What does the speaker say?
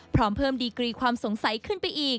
พร้อมเพิ่มดีกรีความสงสัยขึ้นไปอีก